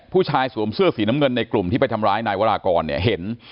สวมเสื้อสีน้ำเงินในกลุ่มที่ไปทำร้ายนายวรากรเนี่ยเห็น